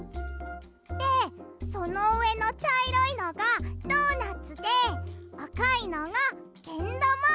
でそのうえのちゃいろいのがドーナツであかいのがけんだま。